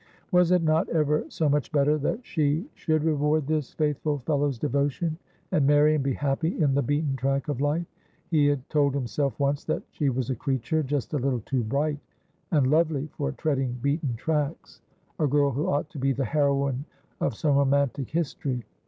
Was it not ever so much better that she should reward this faithful fellow's devotion, and marry, and be happy in the beaten track of life ? He had told himself once that she was a creature just a little too bright and lovely for treading beaten tracks, a girl who ought to be the heroine of some romantic his tory.